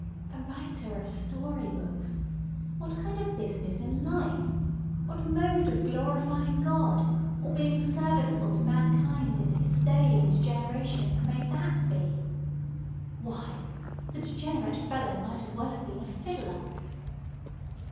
"A writer of story books! What kind of business in life—what mode of glorifying God, or being serviceable to mankind in his day and generation—may that be? Why, the degenerate fellow might as well have been a fiddler!"